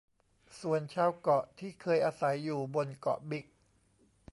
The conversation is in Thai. ส่วนชาวเกาะที่เคยอาศัยอยู่บนเกาะบิ๊ก